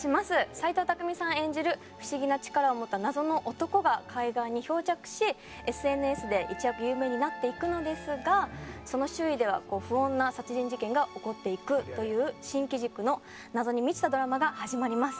斎藤工さん演じる不思議な力を持った謎の男が海岸に漂着しＳＮＳで一躍有名になっていくのですがその周囲では不穏な殺人事件が起こっていくという新機軸の謎に満ちたドラマが始まります。